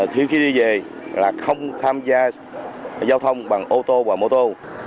khi đi về là không tham gia giao thông bằng ô tô và mô tô